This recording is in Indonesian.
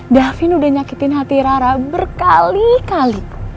davin udah nyakitin hati rara berkali kali